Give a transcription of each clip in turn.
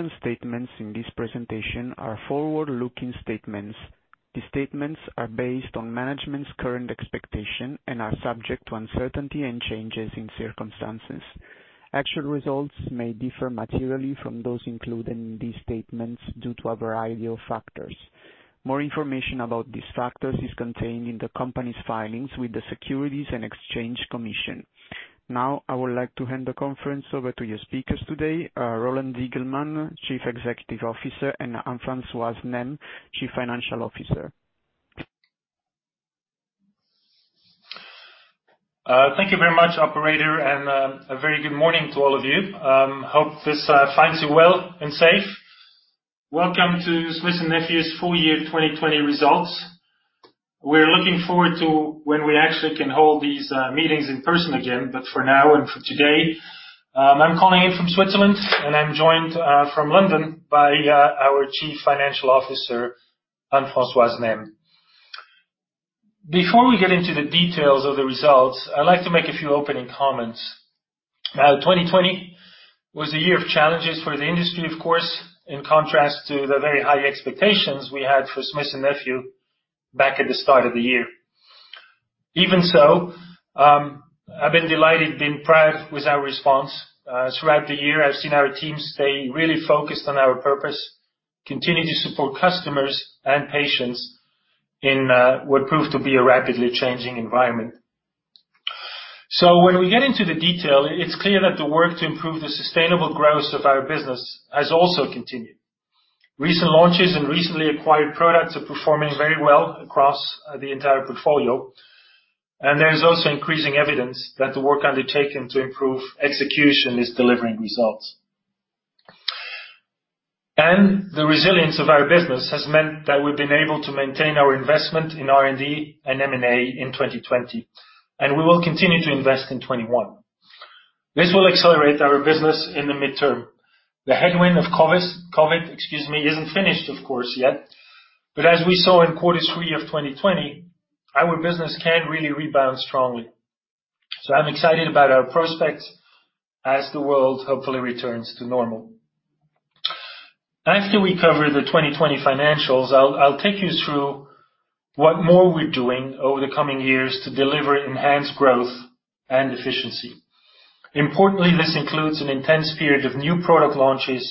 Certain statements in this presentation are forward-looking statements. The statements are based on management's current expectations and are subject to uncertainty and changes in circumstances. Actual results may differ materially from those included in these statements due to a variety of factors. More information about these factors is contained in the company's filings with the Securities and Exchange Commission. Now, I would like to hand the conference over to your speakers today: Roland Diggelmann, Chief Executive Officer, and Anne-Françoise Nesmes, Chief Financial Officer. Thank you very much, Operator, and a very good morning to all of you. I hope this finds you well and safe. Welcome to Smith+Nephew's full year 2020 results. We're looking forward to when we actually can hold these meetings in person again, but for now and for today, I'm calling in from Switzerland, and I'm joined from London by our Chief Financial Officer, Anne-Françoise Nesmes. Before we get into the details of the results, I'd like to make a few opening comments. 2020 was a year of challenges for the industry, of course, in contrast to the very high expectations we had for Smith+Nephew back at the start of the year. Even so, I've been delighted, been proud with our response. Throughout the year, I've seen our team stay really focused on our purpose, continue to support customers and patients in what proved to be a rapidly changing environment. So when we get into the detail, it's clear that the work to improve the sustainable growth of our business has also continued. Recent launches and recently acquired products are performing very well across the entire portfolio, and there's also increasing evidence that the work undertaken to improve execution is delivering results. And the resilience of our business has meant that we've been able to maintain our investment in R&D and M&A in 2020, and we will continue to invest in 2021. This will accelerate our business in the midterm. The headwind of COVID, excuse me, isn't finished, of course, yet, but as we saw in quarter three of 2020, our business can really rebound strongly. So I'm excited about our prospects as the world hopefully returns to normal. After we cover the 2020 financials, I'll take you through what more we're doing over the coming years to deliver enhanced growth and efficiency. Importantly, this includes an intense period of new product launches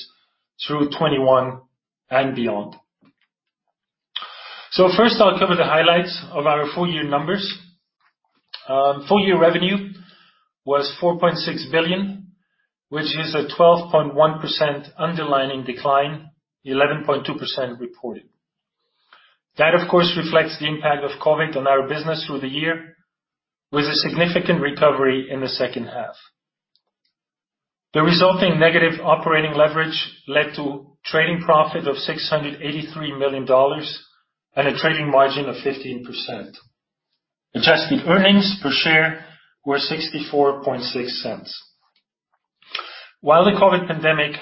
through 2021 and beyond. So first, I'll cover the highlights of our full year numbers. Full year revenue was $4.6 billion, which is a 12.1% underlying decline, 11.2% reported. That, of course, reflects the impact of COVID on our business through the year, with a significant recovery in the second half. The resulting negative operating leverage led to a trading profit of $683 million and a trading margin of 15%. Adjusted earnings per share were $0.646. While the COVID pandemic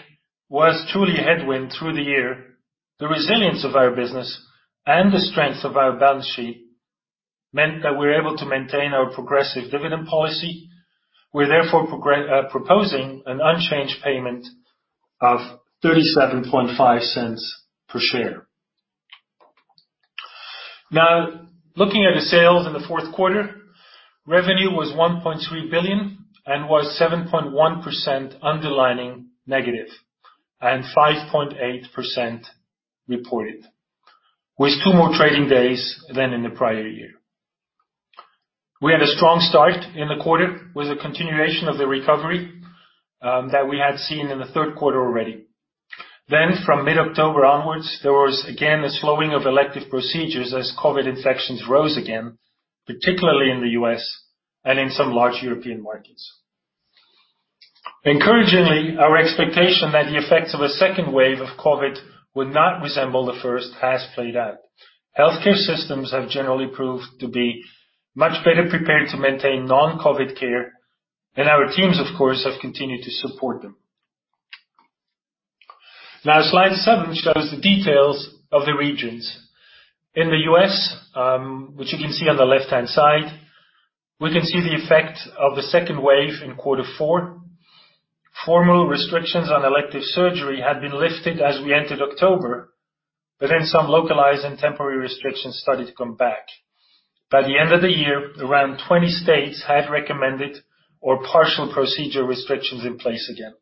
was truly a headwind through the year, the resilience of our business and the strength of our balance sheet meant that we were able to maintain our progressive dividend policy. We're therefore proposing an unchanged payment of $0.375 per share. Now, looking at the sales in the fourth quarter, revenue was $1.3 billion and was 7.1% underlying negative and 5.8% reported, with two more trading days than in the prior year. We had a strong start in the quarter with a continuation of the recovery that we had seen in the third quarter already. Then, from mid-October onwards, there was again a slowing of elective procedures as COVID infections rose again, particularly in the U.S. and in some large European markets. Encouragingly, our expectation that the effects of a second wave of COVID would not resemble the first has played out. Healthcare systems have generally proved to be much better prepared to maintain non-COVID care, and our teams, of course, have continued to support them. Now, Slide 7 shows the details of the regions. In the U.S., which you can see on the left-hand side, we can see the effect of the second wave in quarter four. Formal restrictions on elective surgery had been lifted as we entered October, but then some localized and temporary restrictions started to come back. By the end of the year, around 20 states had recommended or partial procedure restrictions in place again.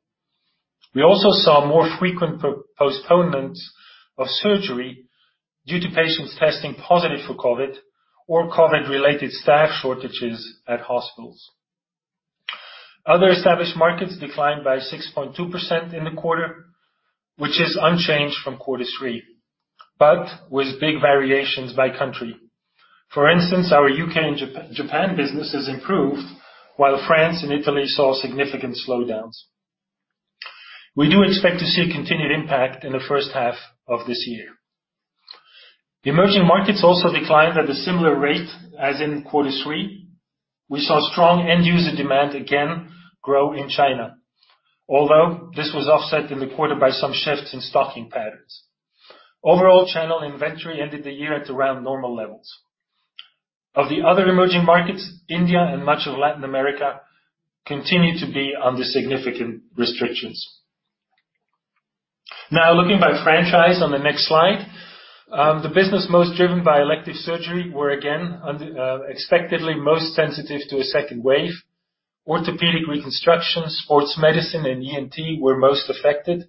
We also saw more frequent postponements of surgery due to patients testing positive for COVID or COVID-related staff shortages at hospitals. Other established markets declined by 6.2% in the quarter, which is unchanged from quarter three, but with big variations by country. For instance, our U.K. and Japan business has improved, while France and Italy saw significant slowdowns. We do expect to see a continued impact in the first half of this year. Emerging markets also declined at a similar rate as in quarter three. We saw strong end-user demand again grow in China, although this was offset in the quarter by some shifts in stocking patterns. Overall, channel inventory ended the year at around normal levels. Of the other emerging markets, India and much of Latin America continued to be under significant restrictions. Now, looking by franchise on the next slide, the business most driven by elective surgery were again, expectedly, most sensitive to a second wave. Orthopaedic Reconstruction, Sports Medicine, and ENT were most affected,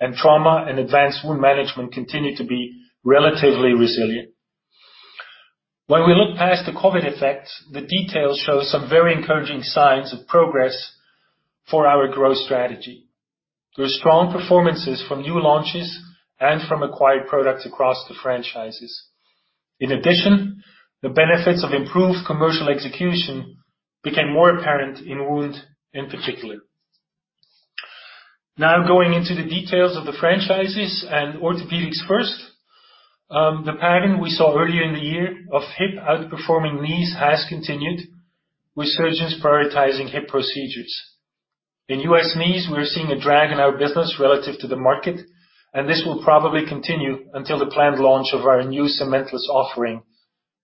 and Trauma and Advanced Wound Management continued to be relatively resilient. When we look past the COVID effects, the details show some very encouraging signs of progress for our growth strategy. There are strong performances from new launches and from acquired products across the franchises. In addition, the benefits of improved commercial execution became more apparent in Wound in particular. Now, going into the details of the franchises and Orthopaedics first, the pattern we saw earlier in the year of hip outperforming knees has continued, with surgeons prioritizing hip procedures. In U.S. knees, we're seeing a drag in our business relative to the market, and this will probably continue until the planned launch of our new cementless offering,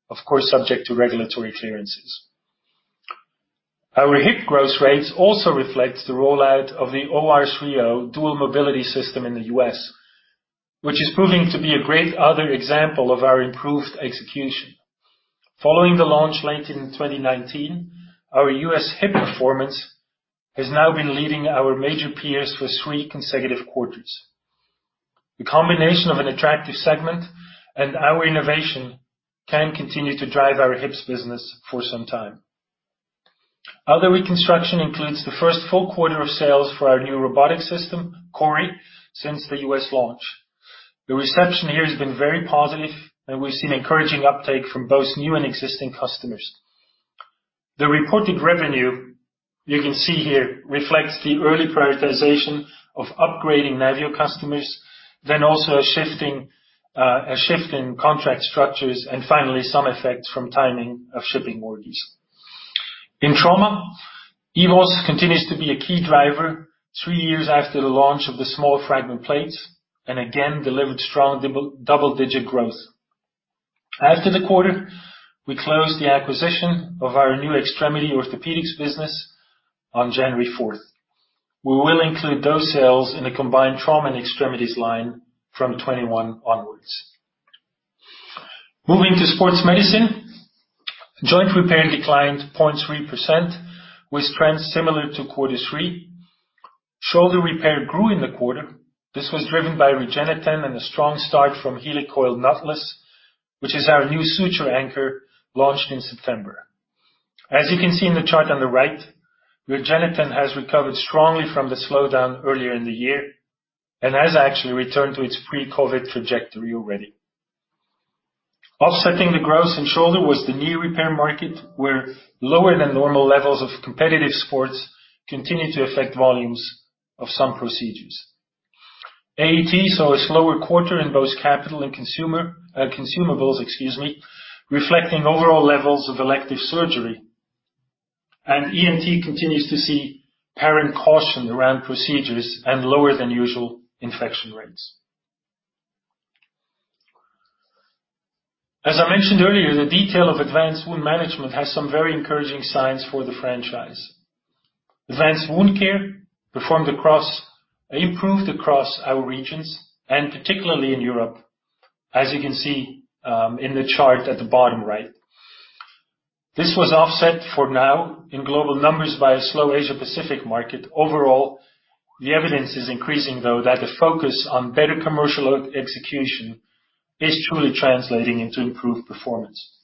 of course, subject to regulatory clearances. Our hip growth rates also reflect the rollout of the OR3O dual mobility system in the U.S., which is proving to be a great other example of our improved execution. Following the launch late in 2019, our U.S. hip performance has now been leading our major peers for three consecutive quarters. The combination of an attractive segment and our innovation can continue to drive our hips business for some time. Other reconstruction includes the first full quarter of sales for our new robotic system, CORI, since the U.S. launch. The reception here has been very positive, and we've seen encouraging uptake from both new and existing customers. The reported revenue you can see here reflects the early prioritization of upgrading NAVIO customers, then also a shift in contract structures, and finally, some effects from timing of shipping warranties. In Trauma, EVOS continues to be a key driver three years after the launch of the small fragment plates and again delivered strong double-digit growth. After the quarter, we closed the acquisition of our new Extremity Orthopaedics business on January 4th. We will include those sales in the combined Trauma and Extremities line from 2021 onwards. Moving to Sports Medicine, Joint Repair declined 0.3%, with trends similar to quarter three. Shoulder Repair grew in the quarter. This was driven by REGENETEN and a strong start from HEALICOIL Knotless, which is our new suture anchor launched in September. As you can see in the chart on the right, REGENETEN has recovered strongly from the slowdown earlier in the year and has actually returned to its pre-COVID trajectory already. Offsetting the growth in shoulder was the knee repair market, where lower than normal levels of competitive sports continue to affect volumes of some procedures. AET saw a slower quarter in both capital and consumables, excuse me, reflecting overall levels of elective surgery, and ENT continues to see parent caution around procedures and lower than usual infection rates. As I mentioned earlier, the detail of Advanced Wound Management has some very encouraging signs for the franchise. Advanced Wound Care performed and improved across our regions and particularly in Europe, as you can see in the chart at the bottom right. This was offset for now in global numbers by a slow Asia-Pacific market. Overall, the evidence is increasing, though, that the focus on better commercial execution is truly translating into improved performance.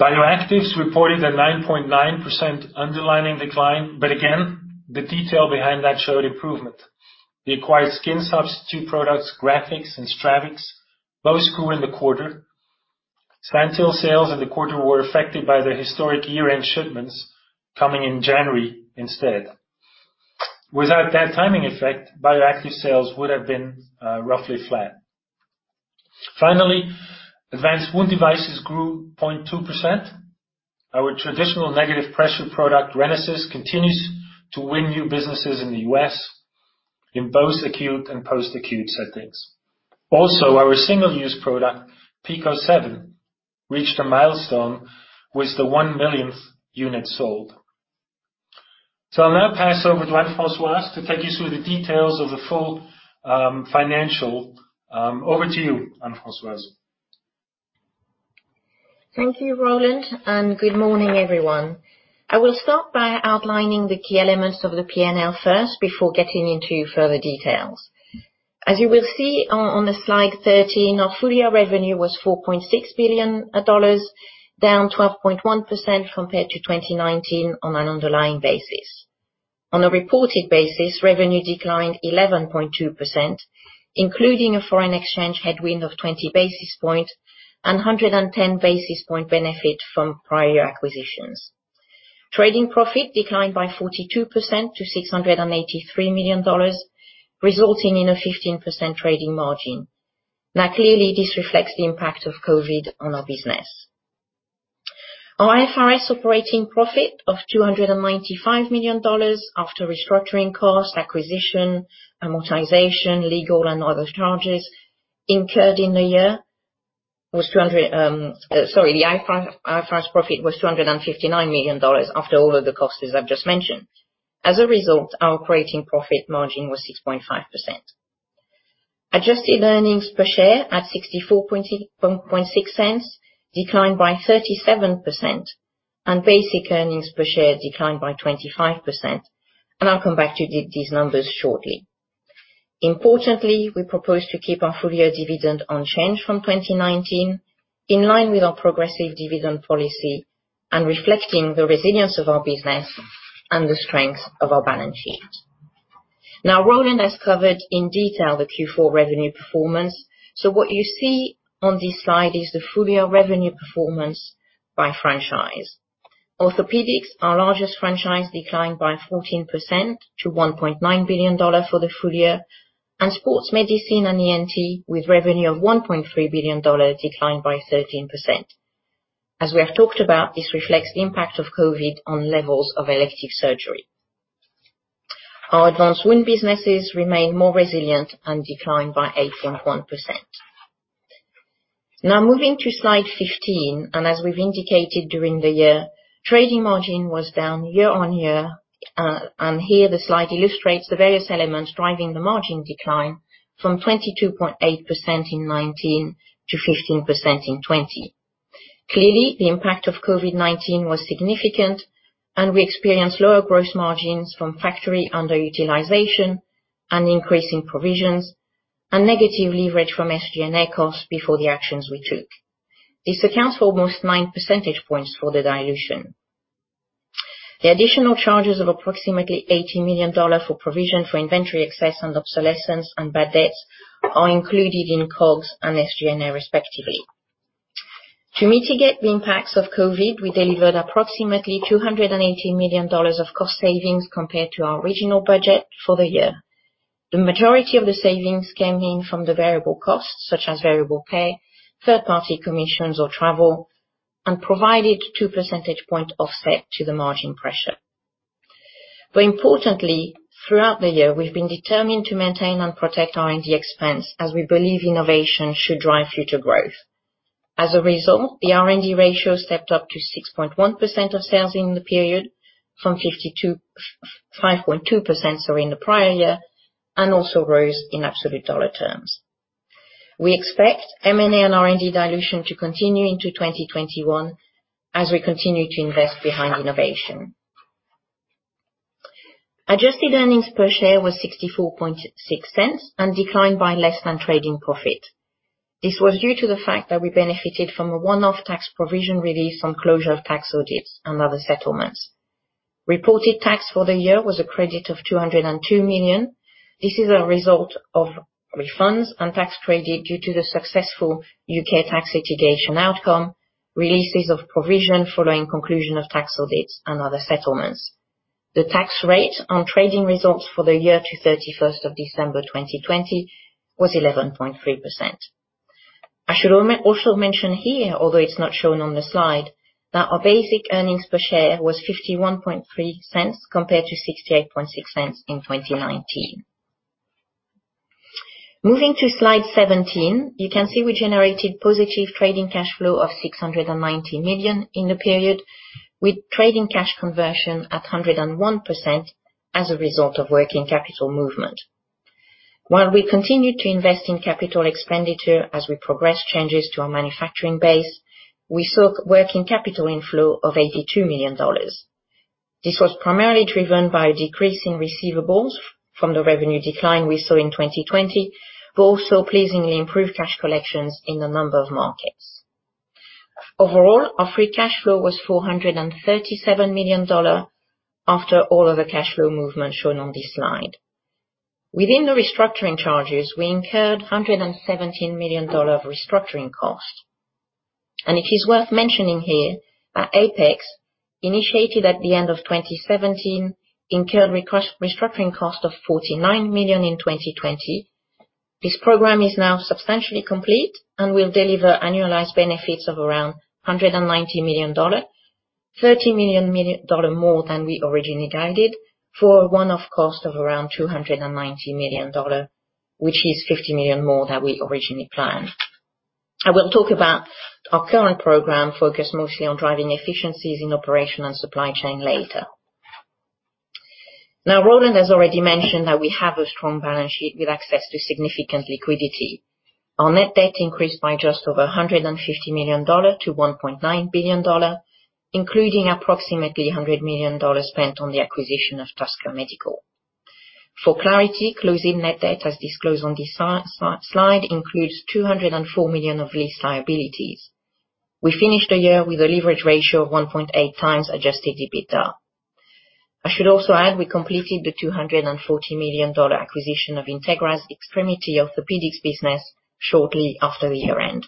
Bioactives reported a 9.9% underlying decline, but again, the detail behind that showed improvement. The acquired skin substitute products, GRAFIX and STRAVIX, both grew in the quarter. Santyl sales in the quarter were affected by the historic year-end shipments coming in January instead. Without that timing effect, Bioactives' sales would have been roughly flat. Finally, Advanced Wound Devices grew 0.2%. Our traditional negative pressure product, RENASYS, continues to win new businesses in the U.S. in both acute and post-acute settings. Also, our single-use product, PICO 7, reached a milestone with the one millionth unit sold. So I'll now pass over to Anne-Françoise to take you through the details of the full financial. Over to you, Anne-Françoise. Thank you, Roland, and good morning, everyone. I will start by outlining the key elements of the P&L first before getting into further details. As you will see on the Slide 13, our full year revenue was $4.6 billion, down 12.1% compared to 2019 on an underlying basis. On a reported basis, revenue declined 11.2%, including a foreign exchange headwind of 20 basis points and 110 basis points benefit from prior acquisitions. Trading profit declined by 42% to $683 million, resulting in a 15% trading margin. Now, clearly, this reflects the impact of COVID on our business. Our IFRS operating profit of $295 million after restructuring costs, acquisition, amortization, legal, and other charges incurred in the year was 200, sorry, the IFRS profit was $259 million after all of the costs I've just mentioned. As a result, our operating profit margin was 6.5%. Adjusted earnings per share at $0.646 declined by 37%, and basic earnings per share declined by 25%, and I'll come back to these numbers shortly. Importantly, we propose to keep our full year dividend unchanged from 2019, in line with our progressive dividend policy and reflecting the resilience of our business and the strength of our balance sheet. Now, Roland has covered in detail the Q4 revenue performance, so what you see on this slide is the full year revenue performance by franchise. Orthopaedics, our largest franchise, declined by 14% to $1.9 billion for the full year, and Sports Medicine and ENT, with revenue of $1.3 billion, declined by 13%. As we have talked about, this reflects the impact of COVID on levels of elective surgery. Our advanced wound businesses remain more resilient and declined by 8.1%. Now, moving to Slide 15, and as we've indicated during the year, trading margin was down year on year, and here the slide illustrates the various elements driving the margin decline from 22.8% in 2019 to 15% in 2020. Clearly, the impact of COVID-19 was significant, and we experienced lower gross margins from factory underutilization and increasing provisions and negative leverage from SG&A costs before the actions we took. This accounts for almost 9 percentage points for the dilution. The additional charges of approximately $80 million for provision for inventory excess and obsolescence and bad debts are included in COGS and SG&A, respectively. To mitigate the impacts of COVID, we delivered approximately $280 million of cost savings compared to our original budget for the year. The majority of the savings came in from the variable costs, such as variable pay, third-party commissions or travel, and provided 2 percentage points offset to the margin pressure, but importantly, throughout the year, we've been determined to maintain and protect R&D expense as we believe innovation should drive future growth. As a result, the R&D ratio stepped up to 6.1% of sales in the period from 5.2%, sorry, in the prior year, and also rose in absolute dollar terms. We expect M&A and R&D dilution to continue into 2021 as we continue to invest behind innovation. Adjusted earnings per share was $0.646 and declined by less than trading profit. This was due to the fact that we benefited from a one-off tax provision release on closure of tax audits and other settlements. Reported tax for the year was a credit of $202 million. This is a result of refunds and tax credit due to the successful U.K. tax litigation outcome, releases of provision following conclusion of tax audits and other settlements. The tax rate on trading results for the year to 31st of December 2020 was 11.3%. I should also mention here, although it's not shown on the slide, that our basic earnings per share was $0.513 compared to $0.686 in 2019. Moving to Slide 17, you can see we generated positive trading cash flow of $690 million in the period with trading cash conversion at 101% as a result of working capital movement. While we continued to invest in capital expenditure as we progressed changes to our manufacturing base, we saw working capital inflow of $82 million. This was primarily driven by a decrease in receivables from the revenue decline we saw in 2020, but also pleasingly improved cash collections in a number of markets. Overall, our free cash flow was $437 million after all of the cash flow movement shown on this slide. Within the restructuring charges, we incurred $117 million of restructuring cost, and it is worth mentioning here that APEX, initiated at the end of 2017, incurred restructuring cost of $49 million in 2020. This program is now substantially complete and will deliver annualized benefits of around $190 million, $30 million more than we originally guided, for a one-off cost of around $290 million, which is $50 million more than we originally planned. I will talk about our current program, focused mostly on driving efficiencies in operation and supply chain later. Now, Roland has already mentioned that we have a strong balance sheet with access to significant liquidity. Our net debt increased by just over $150 million to $1.9 billion, including approximately $100 million spent on the acquisition of Tusker Medical. For clarity, closing net debt, as disclosed on this slide, includes $204 million of lease liabilities. We finished the year with a leverage ratio of 1.8 times Adjusted EBITDA. I should also add we completed the $240 million acquisition of Integra's Extremity Orthopedics business shortly after the year-end.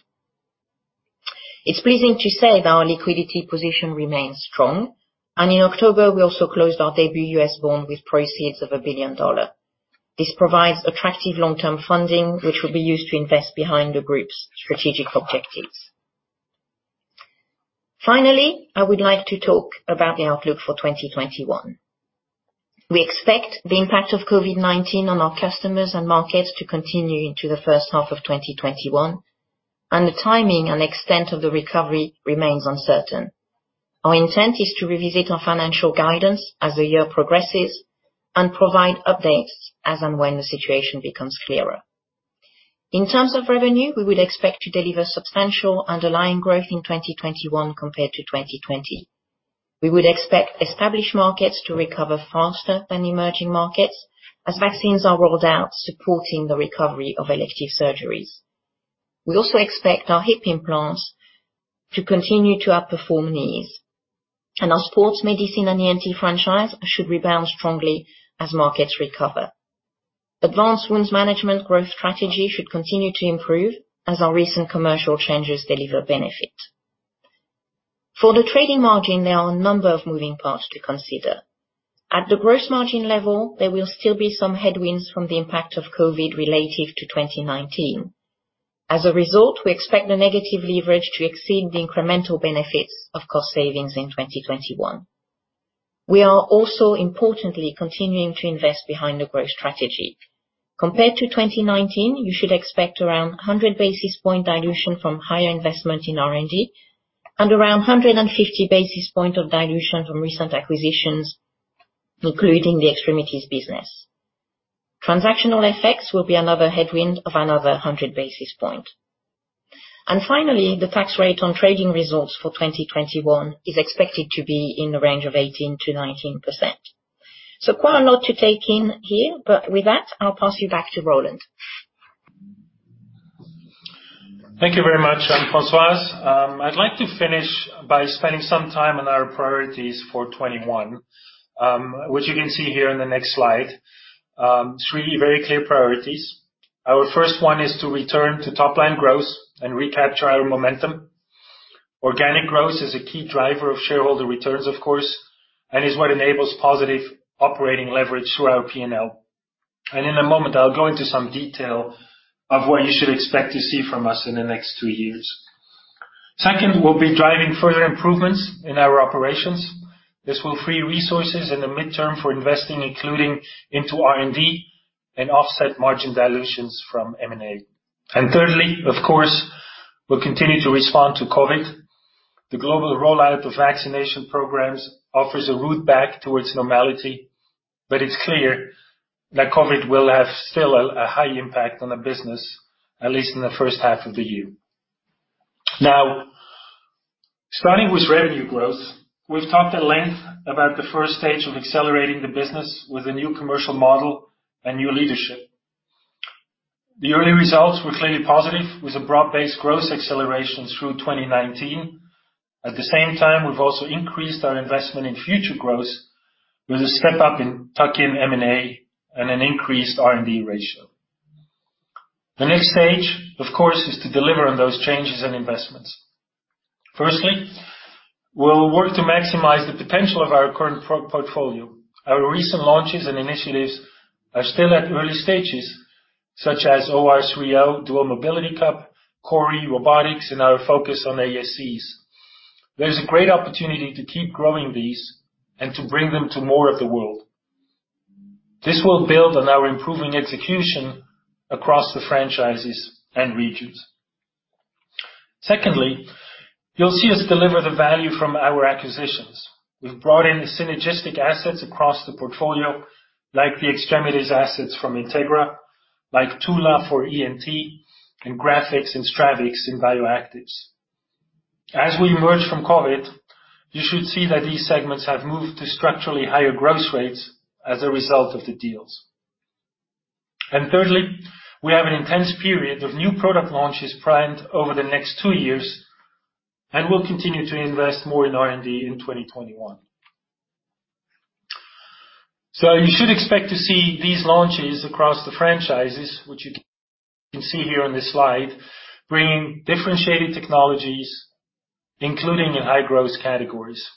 It's pleasing to say that our liquidity position remains strong, and in October, we also closed our debut U.S. bond with proceeds of $1 billion. This provides attractive long-term funding, which will be used to invest behind the group's strategic objectives. Finally, I would like to talk about the outlook for 2021. We expect the impact of COVID-19 on our customers and markets to continue into the first half of 2021, and the timing and extent of the recovery remains uncertain. Our intent is to revisit our financial guidance as the year progresses and provide updates as and when the situation becomes clearer. In terms of revenue, we would expect to deliver substantial underlying growth in 2021 compared to 2020. We would expect established markets to recover faster than emerging markets as vaccines are rolled out, supporting the recovery of elective surgeries. We also expect our hip implants to continue to outperform knees, and our Sports Medicine and ENT franchise should rebound strongly as markets recover. Advanced Wound Management growth strategy should continue to improve as our recent commercial changes deliver benefit. For the trading margin, there are a number of moving parts to consider. At the gross margin level, there will still be some headwinds from the impact of COVID relative to 2019. As a result, we expect the negative leverage to exceed the incremental benefits of cost savings in 2021. We are also importantly continuing to invest behind the growth strategy. Compared to 2019, you should expect around 100 basis point dilution from higher investment in R&D and around 150 basis point of dilution from recent acquisitions, including the extremities business. Transactional effects will be another headwind of another 100 basis point. And finally, the tax rate on trading results for 2021 is expected to be in the range of 18%-19%. So quite a lot to take in here, but with that, I'll pass you back to Roland. Thank you very much, Anne-Françoise. I'd like to finish by spending some time on our priorities for 2021, which you can see here on the next slide. Three very clear priorities. Our first one is to return to top-line growth and recapture our momentum. Organic growth is a key driver of shareholder returns, of course, and is what enables positive operating leverage through our P&L. And in a moment, I'll go into some detail of what you should expect to see from us in the next two years. Second, we'll be driving further improvements in our operations. This will free resources in the midterm for investing, including into R&D and offset margin dilutions from M&A. And thirdly, of course, we'll continue to respond to COVID. The global rollout of vaccination programs offers a route back towards normality, but it's clear that COVID will have still a high impact on the business, at least in the first half of the year. Now, starting with revenue growth, we've talked at length about the first stage of accelerating the business with a new commercial model and new leadership. The early results were clearly positive, with a broad-based growth acceleration through 2019. At the same time, we've also increased our investment in future growth with a step up in tuck-in M&A and an increased R&D ratio. The next stage, of course, is to deliver on those changes and investments. Firstly, we'll work to maximize the potential of our current portfolio. Our recent launches and initiatives are still at early stages, such as OR3O Dual Mobility cup, CORI, and our focus on ASCs. There's a great opportunity to keep growing these and to bring them to more of the world. This will build on our improving execution across the franchises and regions. Secondly, you'll see us deliver the value from our acquisitions. We've brought in synergistic assets across the portfolio, like the extremities assets from Integra, like Tula for ENT, and GRAFIX and STRAVIX in Bioactives. As we emerge from COVID, you should see that these segments have moved to structurally higher growth rates as a result of the deals. And thirdly, we have an intense period of new product launches planned over the next two years, and we'll continue to invest more in R&D in 2021. So you should expect to see these launches across the franchises, which you can see here on this slide, bringing differentiated technologies, including in high-growth categories.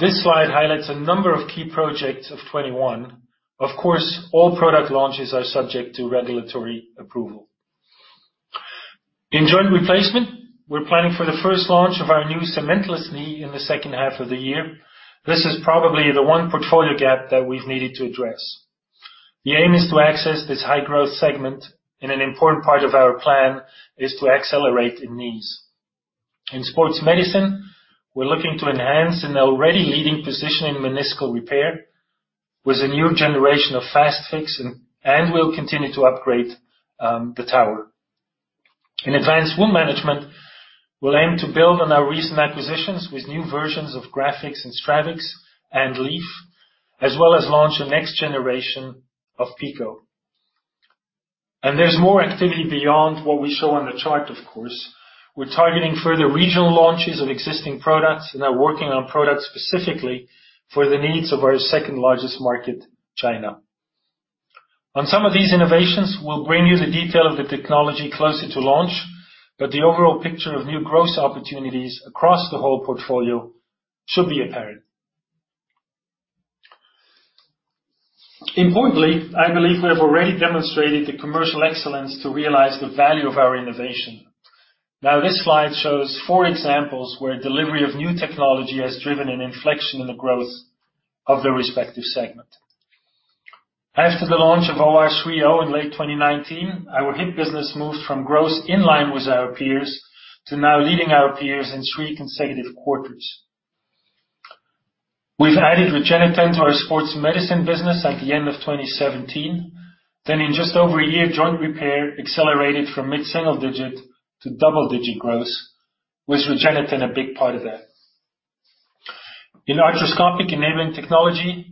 This slide highlights a number of key projects of 2021. Of course, all product launches are subject to regulatory approval. In joint replacement, we're planning for the first launch of our new cementless knee in the second half of the year. This is probably the one portfolio gap that we've needed to address. The aim is to access this high-growth segment, and an important part of our plan is to accelerate in knees. In Sports Medicine, we're looking to enhance an already leading position in meniscal repair with a new generation of FAST-FIX, and we'll continue to upgrade the tower. In advanced wound management, we'll aim to build on our recent acquisitions with new versions of GRAFIX and STRAVIX and LEAF, as well as launch a next generation of PICO. And there's more activity beyond what we show on the chart, of course. We're targeting further regional launches of existing products and are working on products specifically for the needs of our second-largest market, China. On some of these innovations, we'll bring you the detail of the technology closer to launch, but the overall picture of new growth opportunities across the whole portfolio should be apparent. Importantly, I believe we have already demonstrated the commercial excellence to realize the value of our innovation. Now, this slide shows four examples where delivery of new technology has driven an inflection in the growth of the respective segment. After the launch of OR3O in late 2019, our hip business moved from growth in line with our peers to now leading our peers in three consecutive quarters. We've added REGENETEN to our Sports Medicine business at the end of 2017. Then, in just over a year, Joint Repair accelerated from mid-single digit to double-digit growth, with REGENETEN a big part of that. In arthroscopic enabling technology,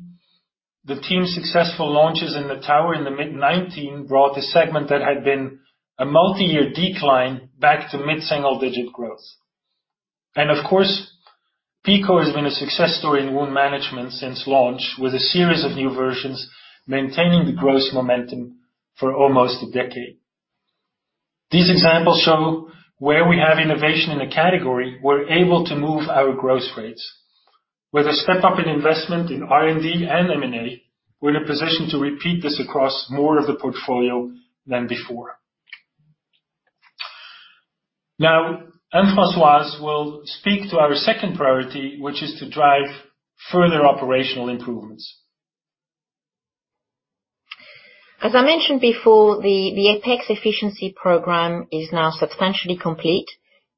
the team's successful launches in the tower in the mid-2019 brought the segment that had been a multi-year decline back to mid-single digit growth. And of course, PICO has been a success story in wound management since launch, with a series of new versions maintaining the growth momentum for almost a decade. These examples show where we have innovation in a category, we're able to move our growth rates. With a step up in investment in R&D and M&A, we're in a position to repeat this across more of the portfolio than before. Now, Anne-Françoise will speak to our second priority, which is to drive further operational improvements. As I mentioned before, the APEX efficiency program is now substantially complete.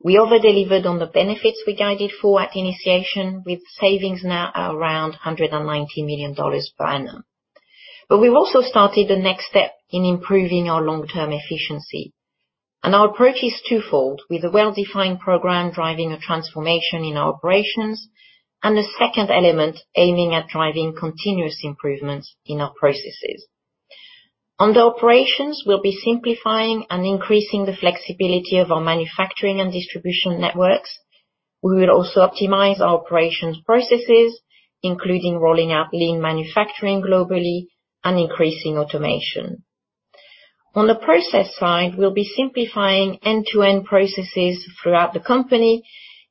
We over-delivered on the benefits we guided for at initiation, with savings now around $190 million per annum, but we've also started the next step in improving our long-term efficiency, and our approach is twofold, with a well-defined program driving a transformation in our operations and a second element aiming at driving continuous improvements in our processes. Under operations, we'll be simplifying and increasing the flexibility of our manufacturing and distribution networks. We will also optimize our operations processes, including rolling out lean manufacturing globally and increasing automation. On the process side, we'll be simplifying end-to-end processes throughout the company,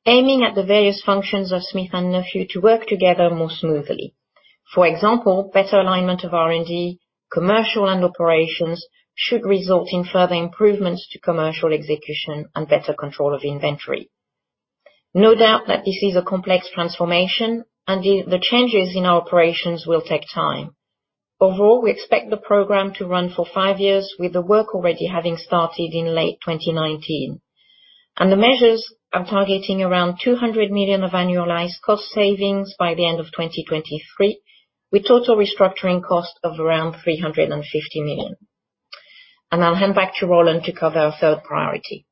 aiming at the various functions of Smith & Nephew to work together more smoothly. For example, better alignment of R&D, commercial, and operations should result in further improvements to commercial execution and better control of inventory. No doubt that this is a complex transformation, and the changes in our operations will take time. Overall, we expect the program to run for five years, with the work already having started in late 2019. And the measures are targeting around $200 million of annualized cost savings by the end of 2023, with total restructuring cost of around $350 million. And I'll hand back to Roland to cover our third priority.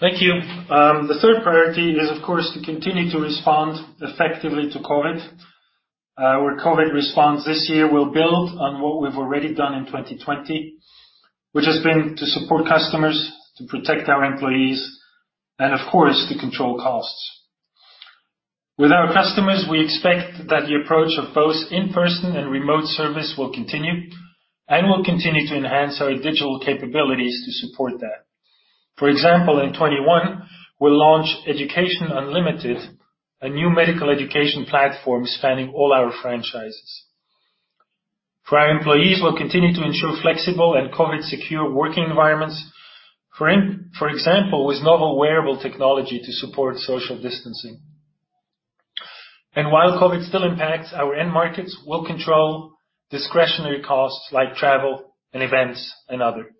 Thank you. The third priority is, of course, to continue to respond effectively to COVID. Our COVID response this year will build on what we've already done in 2020, which has been to support customers, to protect our employees, and of course, to control costs. With our customers, we expect that the approach of both in-person and remote service will continue, and we'll continue to enhance our digital capabilities to support that. For example, in 2021, we'll launch Education Unlimited, a new medical education platform spanning all our franchises. For our employees, we'll continue to ensure flexible and COVID-secure working environments, for example, with novel wearable technology to support social distancing, and while COVID still impacts our end markets, we'll control discretionary costs like travel and events and other.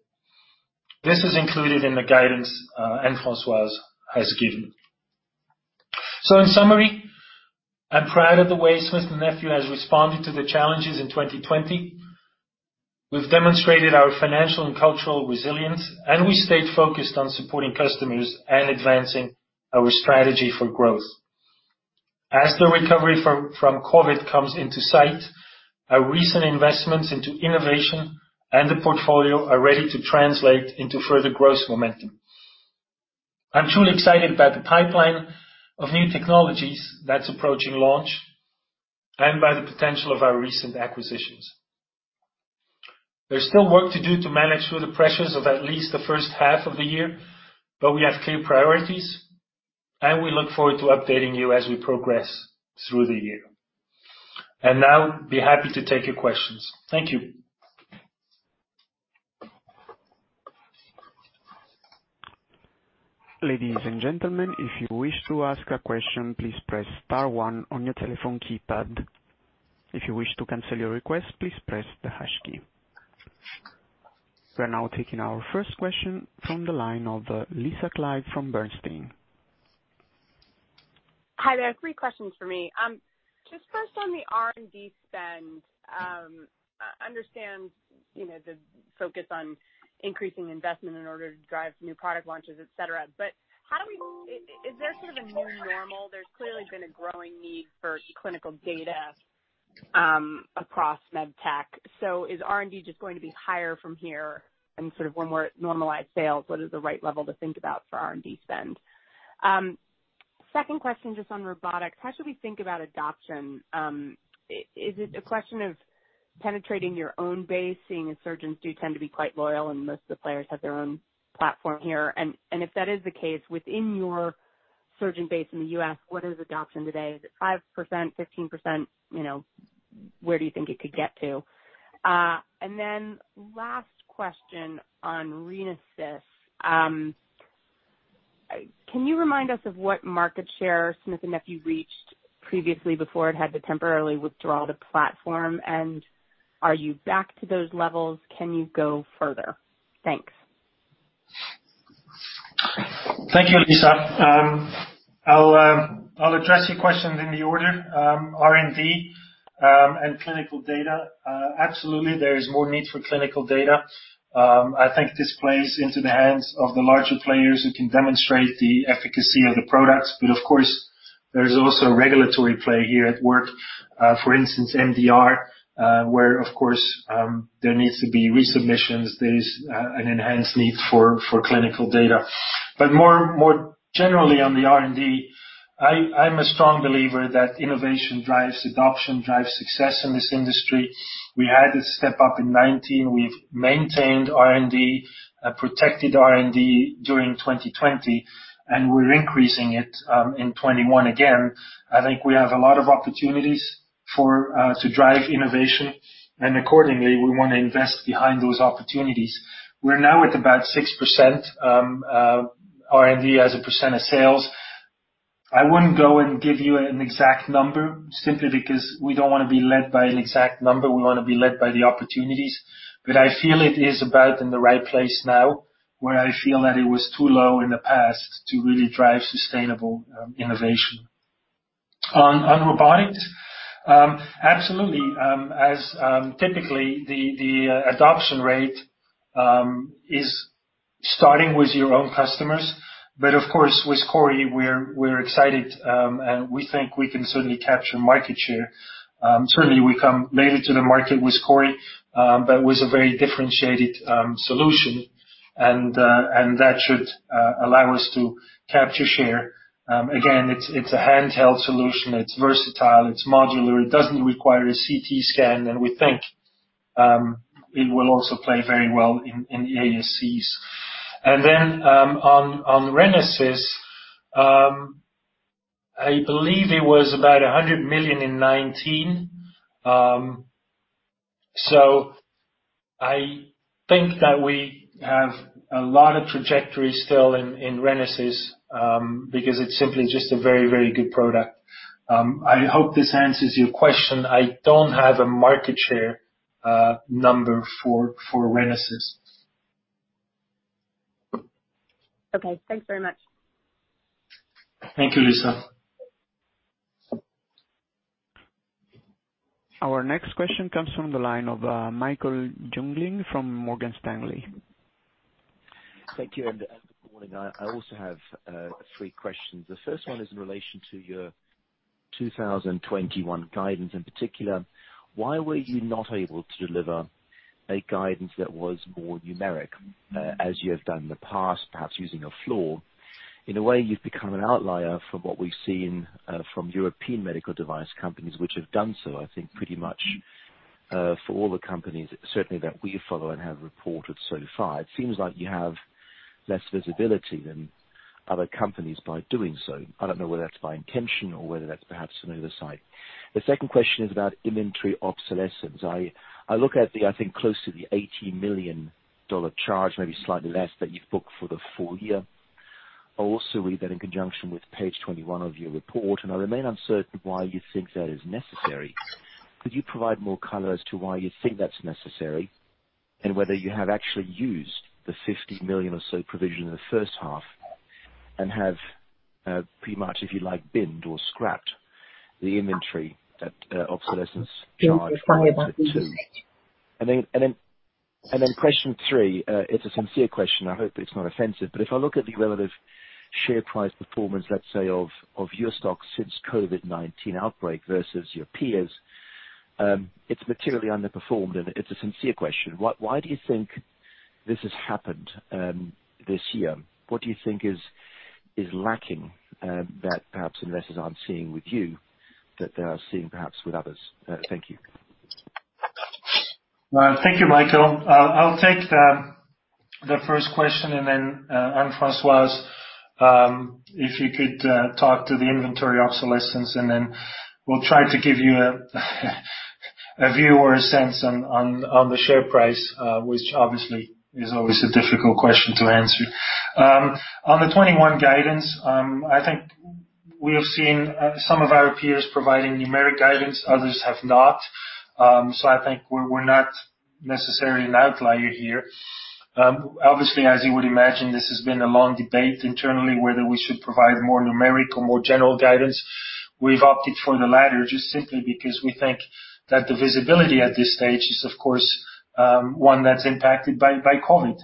This is included in the guidance Anne-Françoise has given. So, in summary, I'm proud of the way Smith & Nephew has responded to the challenges in 2020. We've demonstrated our financial and cultural resilience, and we stayed focused on supporting customers and advancing our strategy for growth. As the recovery from COVID comes into sight, our recent investments into innovation and the portfolio are ready to translate into further growth momentum. I'm truly excited by the pipeline of new technologies that's approaching launch and by the potential of our recent acquisitions. There's still work to do to manage through the pressures of at least the first half of the year, but we have clear priorities, and we look forward to updating you as we progress through the year. And now, I'd be happy to take your questions. Thank you. Ladies and gentlemen, if you wish to ask a question, please press star one on your telephone keypad. If you wish to cancel your request, please press the hash key. We are now taking our first question from the line of Lisa Clive from Bernstein. Hi there. Three questions for me. Just first, on the R&D spend, I understand the focus on increasing investment in order to drive new product launches, et cetera. But how do we? Is there sort of a new normal? There's clearly been a growing need for clinical data across med tech. So is R&D just going to be higher from here? And sort of when we're at normalized sales, what is the right level to think about for R&D spend? Second question, just on robotics. How should we think about adoption? Is it a question of penetrating your own base? Seeing as surgeons do tend to be quite loyal and most of the players have their own platform here. And if that is the case, within your surgeon base in the U.S., what is adoption today? Is it 5%, 15%? Where do you think it could get to? And then, last question on RENASYS. Can you remind us of what market share Smith & Nephew reached previously before it had to temporarily withdraw the platform? And are you back to those levels? Can you go further? Thanks. Thank you, Lisa. I'll address your questions in the order. R&D and clinical data, absolutely, there is more need for clinical data. I think this plays into the hands of the larger players who can demonstrate the efficacy of the products, but of course, there's also regulatory play here at work. For instance, MDR, where of course there needs to be resubmissions, there's an enhanced need for clinical data, but more generally on the R&D, I'm a strong believer that innovation drives adoption, drives success in this industry. We had a step up in 2019. We've maintained R&D, protected R&D during 2020, and we're increasing it in 2021 again. I think we have a lot of opportunities to drive innovation, and accordingly, we want to invest behind those opportunities. We're now at about 6% R&D as a percent of sales. I wouldn't go and give you an exact number simply because we don't want to be led by an exact number. We want to be led by the opportunities, but I feel it is about in the right place now, where I feel that it was too low in the past to really drive sustainable innovation. On robotics, absolutely. As typically, the adoption rate is starting with your own customers, but of course, with CORI, we're excited, and we think we can certainly capture market share. Certainly, we come later to the market with CORI, but with a very differentiated solution, and that should allow us to capture share. Again, it's a handheld solution. It's versatile. It's modular. It doesn't require a CT scan, and we think it will also play very well in the ASCs, and then on RENASYS, I believe it was about $100 million in 2019. So I think that we have a lot of trajectory still in RENASYS because it's simply just a very, very good product. I hope this answers your question. I don't have a market share number for RENASYS. Okay. Thanks very much. Thank you, Lisa. Our next question comes from the line of Michael Jungling from Morgan Stanley. Thank you and good morning. I also have three questions. The first one is in relation to your 2021 guidance. In particular, why were you not able to deliver a guidance that was more numeric, as you have done in the past, perhaps using a floor? In a way, you've become an outlier from what we've seen from European medical device companies, which have done so, I think, pretty much for all the companies, certainly, that we follow and have reported so far. It seems like you have less visibility than other companies by doing so. I don't know whether that's by intention or whether that's perhaps an oversight. The second question is about inventory obsolescence. I look at the, I think, close to the $80 million charge, maybe slightly less, that you've booked for the full year. I also read that in conjunction with page 21 of your report. I remain uncertain why you think that is necessary. Could you provide more color as to why you think that's necessary and whether you have actually used the $50 million or so provision in the first half and have pretty much, if you like, binned or scrapped the inventory that obsolescence charged you to? Then question three, it's a sincere question. I hope it's not offensive. But if I look at the relative share price performance, let's say, of your stock since COVID-19 outbreak versus your peers, it's materially underperformed. It's a sincere question. Why do you think this has happened this year? What do you think is lacking that perhaps investors aren't seeing with you that they are seeing perhaps with others? Thank you. Thank you, Michael. I'll take the first question and then Anne-Françoise if you could talk to the inventory obsolescence. And then we'll try to give you a view or a sense on the share price, which obviously is always a difficult question to answer. On the 2021 guidance, I think we have seen some of our peers providing numeric guidance. Others have not. So I think we're not necessarily an outlier here. Obviously, as you would imagine, this has been a long debate internally whether we should provide more numeric or more general guidance. We've opted for the latter just simply because we think that the visibility at this stage is, of course, one that's impacted by COVID.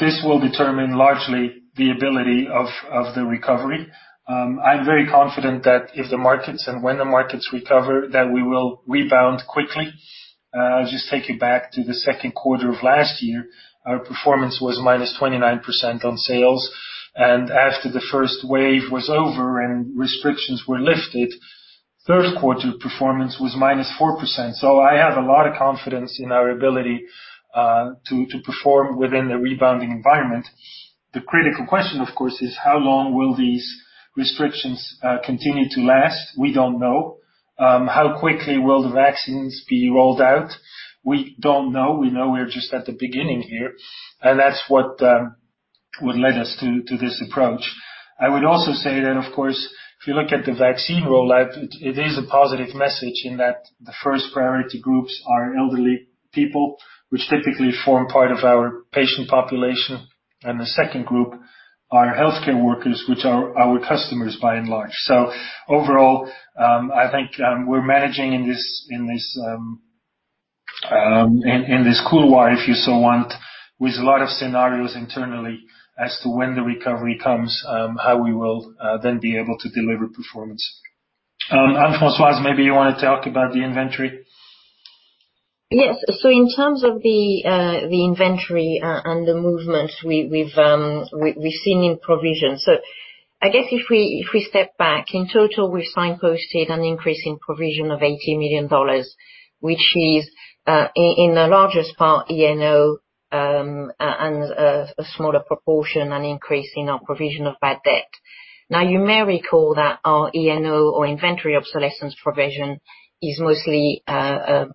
This will determine largely the ability of the recovery. I'm very confident that if the markets and when the markets recover, that we will rebound quickly. I'll just take you back to the second quarter of last year. Our performance was minus 29% on sales. And after the first wave was over and restrictions were lifted, third quarter performance was minus 4%. So I have a lot of confidence in our ability to perform within the rebounding environment. The critical question, of course, is how long will these restrictions continue to last? We don't know. How quickly will the vaccines be rolled out? We don't know. We know we're just at the beginning here. And that's what would lead us to this approach. I would also say that, of course, if you look at the vaccine rollout, it is a positive message in that the first priority groups are elderly people, which typically form part of our patient population. And the second group are healthcare workers, which are our customers by and large. So overall, I think we're managing in this corridor, if you so want, with a lot of scenarios internally as to when the recovery comes, how we will then be able to deliver performance. Anne-Françoise, maybe you want to talk about the inventory? Yes. So in terms of the inventory and the movement we've seen in provision, so I guess if we step back, in total, we've signposted an increase in provision of $80 million, which is, in the largest part, E&O and a smaller proportion, an increase in our provision of bad debt. Now, you may recall that our E&O or inventory obsolescence provision is mostly an